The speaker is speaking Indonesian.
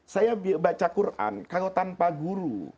saya baca quran kalau tanpa guru